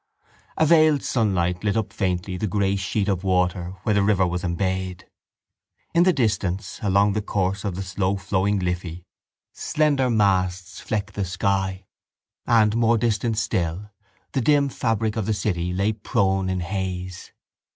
A veiled sunlight lit up faintly the grey sheet of water where the river was embayed. In the distance along the course of the slowflowing Liffey slender masts flecked the sky and, more distant still, the dim fabric of the city lay prone in haze.